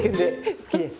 好きです。